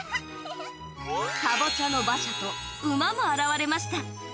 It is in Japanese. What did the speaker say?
かぼちゃの馬車と馬も現れました。